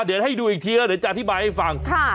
เดี๋ยวให้ดูอีกทีแล้วเดี๋ยวจะอธิบายให้ฟัง